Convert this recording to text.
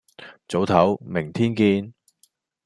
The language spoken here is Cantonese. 早唞，明天見